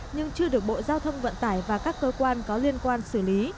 nhưng chưa được bộ giao thông vận tải và các cơ quan có liên quan xử lý